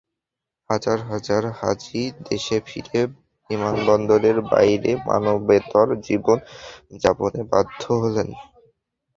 হাজার হাজার হাজি দেশে ফিরে বিমানবন্দরের বাইরে মানবেতর জীবন যাপনে বাধ্য হলেন।